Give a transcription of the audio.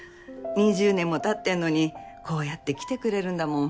２０年も経ってるのにこうやって来てくれるんだもん